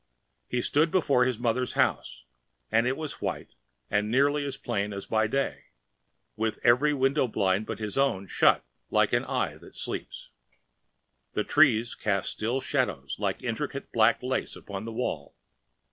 He stood before his mother’s house, and it was white and nearly as plain as by day, with every window blind but his own shut like an eye that sleeps. The trees cast still shadows like intricate black lace upon the wall.